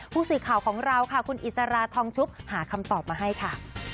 ผู้สื่อข่าวของเราค่ะคุณอิสราทองชุบหาคำตอบมาให้ค่ะ